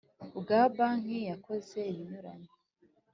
Bwa banki yakoze ibinyuranye